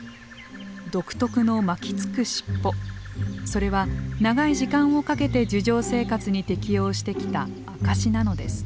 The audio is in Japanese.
それは長い時間をかけて樹上生活に適応してきた証しなのです。